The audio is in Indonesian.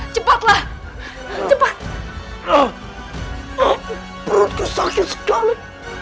cepatlah cepat perutku sakit sekali